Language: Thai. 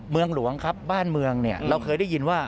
เมืองหลวงครับบ้านเมืองเนี่ยเราเคยได้ยินว่า